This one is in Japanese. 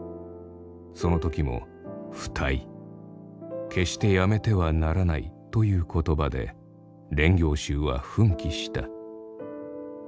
その時も不退決してやめてはならないという言葉で練行衆は奮起した。